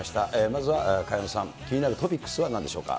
まずは萱野さん、気になるトピックスはなんでしょうか。